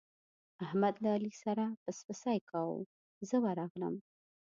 احمد له علي سره پسپسی کاوو، زه ورغلم.